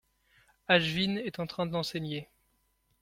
Ashwin est en train d’enseigner ?